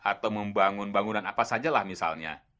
atau membangun bangunan apa sajalah misalnya